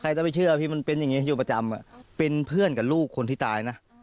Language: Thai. ต้องไปเชื่อพี่มันเป็นอย่างนี้อยู่ประจำเป็นเพื่อนกับลูกคนที่ตายนะ